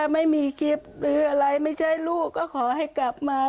ไม่มีกิฟต์หรืออะไรไม่ใช่ลูกก็ขอให้กลับมา